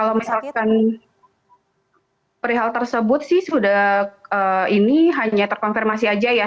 kalau misalkan perihal tersebut sih sudah ini hanya terkonfirmasi aja ya